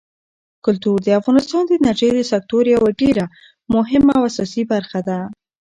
کلتور د افغانستان د انرژۍ د سکتور یوه ډېره مهمه او اساسي برخه ده.